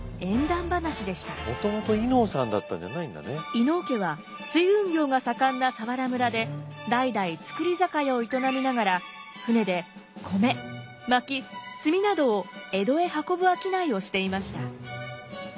伊能家は水運業が盛んな佐原村で代々造り酒屋を営みながら船で米まき炭などを江戸へ運ぶ商いをしていました。